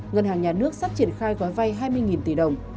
ngân hàng nhà nước sắp triển khai gói vay hai mươi tỷ đồng